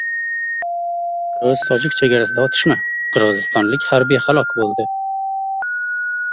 Qirg‘iz-tojik chegarasida otishma: qirg‘izistonlik harbiy halok bo‘ldi